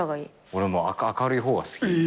俺明るい方が好き。